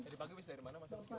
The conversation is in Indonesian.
dari pagi bisa di rumah mas